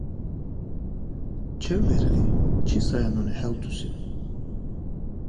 Чевверхи, чи сая нуни хӀелтуси?